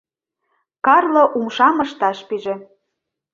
Карло умшам ышташ пиже.